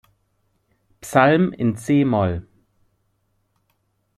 Psalm“ in c-Moll.